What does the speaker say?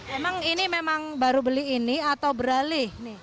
emang ini memang baru beli ini atau beralih